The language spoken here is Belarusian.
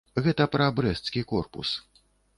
Гэта пра брэсцкі корпус.